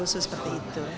khusus seperti itu